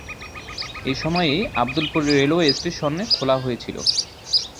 এই সময়েই Abdulpur railway station খোলা হয়েছিল।